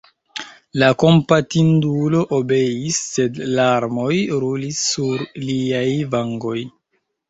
La kompatindulo obeis, sed larmoj rulis sur liaj vangoj.